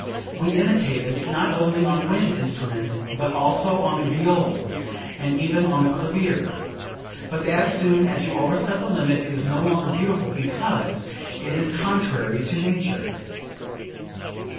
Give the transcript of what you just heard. We imitate it not only on wind instruments but also on the viols and even on the clavier. But as soon as you overstep the limit it is no longer beautiful because it is contrary to nature."